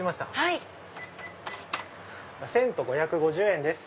１５５０円です。